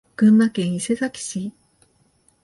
群馬県伊勢崎市